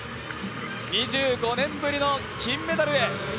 ２５年ぶりの金メダルへ。